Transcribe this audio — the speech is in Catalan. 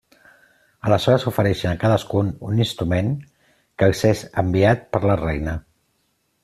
Aleshores ofereixen a cadascun un instrument que els és enviat per la Reina.